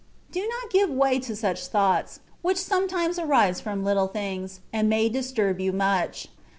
Do not give way to such thoughts, which some times arise from little things, and may disturb you much.